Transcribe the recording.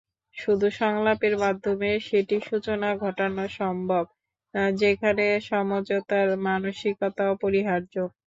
শুধু সংলাপের মাধ্যমেই সেটির সূচনা ঘটানো সম্ভব, যেখানে সমঝোতার মানসিকতা অপরিহার্য।